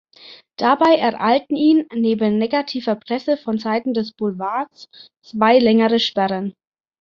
Dabei ereilten ihn neben negativer Presse von Seiten des Boulevards zwei längere Sperren.